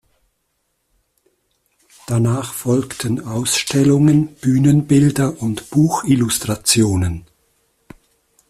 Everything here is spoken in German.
Danach folgten Ausstellungen, Bühnenbilder und Buchillustrationen.